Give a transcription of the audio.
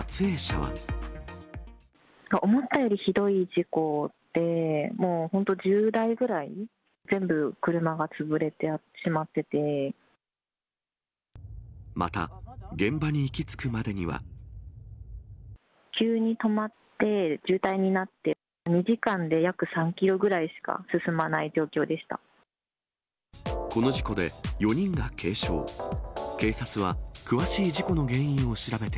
思ったよりひどい事故で、もう本当、１０台ぐらい、また、急に止まって、渋滞になって、２時間で約３キロぐらいしか進まない状況でした。